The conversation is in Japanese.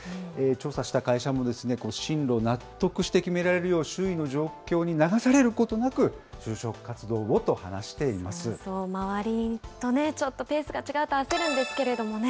調査した会社も、進路を納得して決められるよう、周囲の状況に流されることなく、就職活動をと話周りとね、ちょっとペースが頑張ってください。